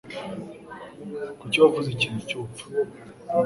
Kuki wavuze ikintu cyubupfu?